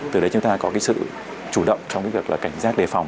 từ đấy chúng ta có sự chủ động trong việc cảnh giác đề phòng